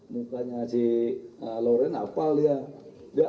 mukanya si loren apal lihat